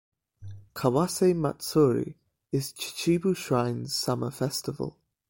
Kawase matsuri is Chichibu shrine's summer festival.